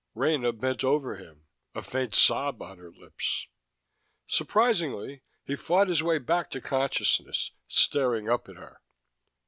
Rena bent over him, a faint sob on her lips. Surprisingly, he fought his way back to consciousness, staring up at her.